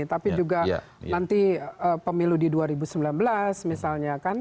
tapi juga nanti pemilu di dua ribu sembilan belas misalnya kan